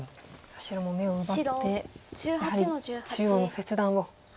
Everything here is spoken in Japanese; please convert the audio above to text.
白も眼を奪ってやはり中央の切断を。